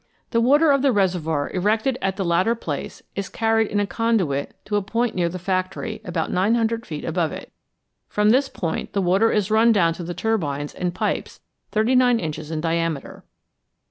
The water of the reservoir erected at the latter place is carried in a conduit to a point near the factory and about 900 feet above it ; from this point the water is run down to the turbines in pipes 39 inches in diameter.